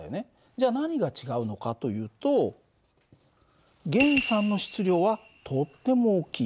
じゃ何が違うのかというと源さんの質量はとっても大きい。